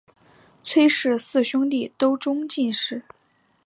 崔氏四兄弟都中进士。